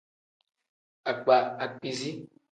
Akpa akpiizi.